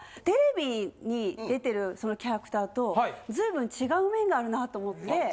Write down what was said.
テレビに出てるそのキャラクターとずいぶん違う面があるなと思って。